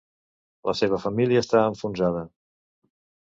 La seva família està enfonsada.